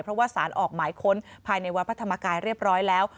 เพราะว่าสารออกหมายค้นภายในวัดพระธรรมกายเรียบร้อยแล้ว